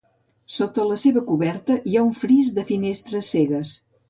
Sota la seva coberta hi ha un fris de finestres cegues.